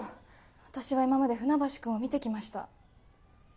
私は今まで船橋くんを見てきました。